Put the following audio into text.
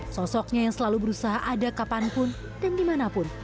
sosoknya yang selalu berusaha ada kapanpun dan dimanapun